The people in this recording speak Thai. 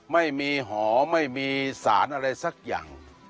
ไม่มีหอไม่มีสารอะไรสักอย่าง